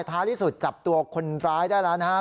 ท้ายที่สุดจับตัวคนร้ายได้แล้วนะครับ